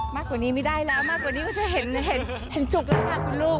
มากกว่านี้ไม่ได้แล้วมากกว่านี้ก็จะเห็นจุกแล้วค่ะคุณลูก